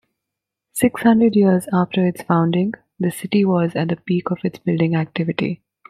Six hundred years after its founding, the city was at the peak of its building activity.